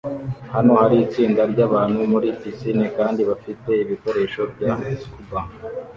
Hano hari itsinda ryabantu muri pisine kandi bafite ibikoresho bya scuba